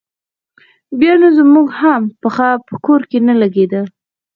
بیا نو زموږ هم پښه په کور نه لګېده.